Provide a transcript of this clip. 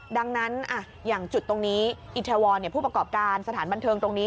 ดังนั้นอย่างจุดตรงนี้อิทวรผู้ประกอบการสถานบันเทิงตรงนี้